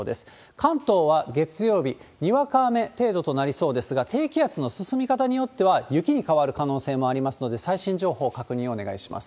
関東は月曜日、にわか雨程度となりそうですが、低気圧の進み方によっては雪に変わる可能性もありますので、最新情報確認をお願いします。